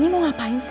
ini mau ngapain sih